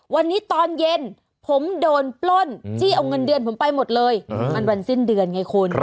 วันนี้ตอนเย็นผมโดนปล้นจี้เอาเงินเดือนผมไปหมดเลยมันวันสิ้นเดือนไงคุณ